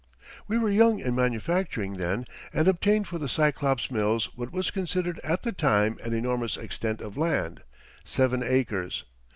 We were young in manufacturing then and obtained for the Cyclops Mills what was considered at the time an enormous extent of land seven acres.